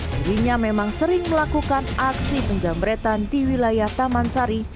dirinya memang sering melakukan aksi penjamretan di wilayah taman sari